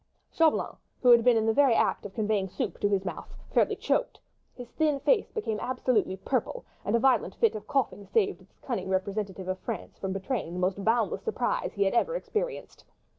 Chauvelin, who had been in the very act of conveying soup to his mouth, fairly choked. His thin face became absolutely purple, and a violent fit of coughing saved this cunning representative of France from betraying the most boundless surprise he had ever experienced.